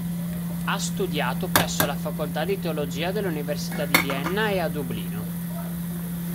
Ha studiato presso la Facoltà di teologia dell'Università di Vienna e a Dublino.